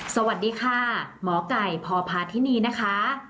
สวัสดีค่ะหมอไก่พพาธินีนะคะ